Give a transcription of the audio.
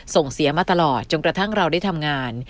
ส่งเสียมาตลอดจนกระทั่งเราได้ทำงาน